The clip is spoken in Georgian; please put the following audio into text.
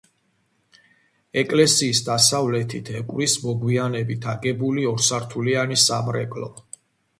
ეკლესიის დასავლეთით ეკვრის მოგვიანებით აგებული ორსართულიანი სამრეკლო.